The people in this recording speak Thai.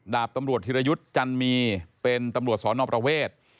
ดาบตำรวจธิรยุทธ์จันมีเป็นตำรวจสอนอประเวท